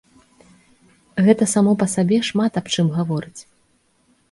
Гэта само па сабе шмат аб чым гаворыць.